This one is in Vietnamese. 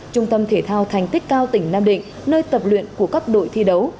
trung tâm thể thao thành tích cao tỉnh nam định nơi tập luyện của các đội thi đấu